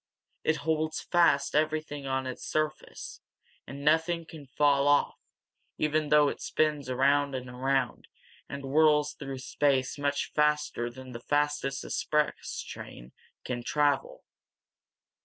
It holds fast everything on its surface, and nothing can fall off, even though it spins around and around, and whirls through space much faster than the fastest express train can travel.